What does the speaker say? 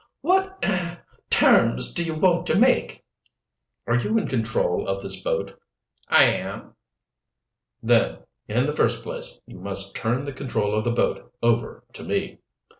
"What er terms do you want me to make?" "Are you in control of this boat?' "I am." "Then, in the first place, you must turn the control of the boat over to me."